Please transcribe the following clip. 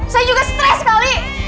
saya juga stres sekali